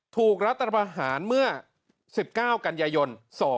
ถูกรัฐประหารเมื่อ๑๙กัญญยนต์๒๕๔๙